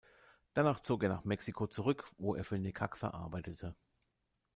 Danach zog er nach Mexiko zurück, wo er für Necaxa arbeitete.